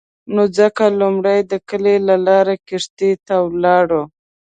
نو ځکه لومړی د کلي له لارې کښتۍ ته ولاړو.